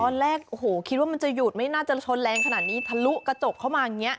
ตอนแรกโอ้โหคิดว่ามันจะหยุดไม่น่าจะชนแรงขนาดนี้ทะลุกระจกเข้ามาอย่างนี้